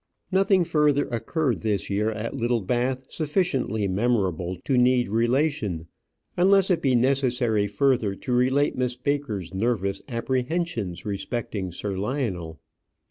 Nothing further occurred this year at Littlebath sufficiently memorable to need relation, unless it be necessary further to relate Miss Baker's nervous apprehensions respecting Sir Lionel.